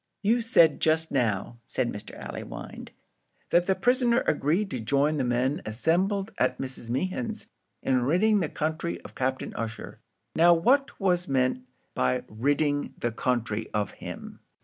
"You said just now," said Mr. Allewinde, "that the prisoner agreed to join the men assembled at Mrs. Mehan's in ridding the country of Captain Ussher; now what was meant by ridding the country of him?"